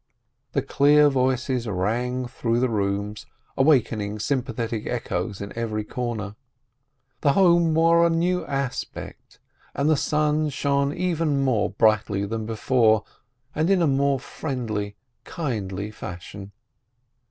The clear voices rang through the rooms, awaking sympathetic echoes in every corner. The home wore a new aspect, and the sun shone even more brightly than before and in more friendly, kindly fashion.